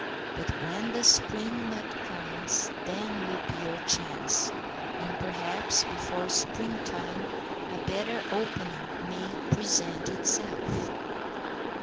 But when the spring mud comes then will be your chance, and perhaps before spring time a better opening may present itself."